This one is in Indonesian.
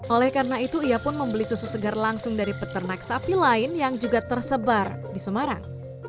oleh karena itu ia pun membeli susu segar langsung dari peternak sapi lain yang juga tersebar di semarang